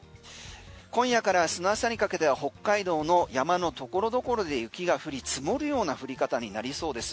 今夜からあすの朝にかけては北海道の山のところどころで雪が降り積もるような降り方になりそうです。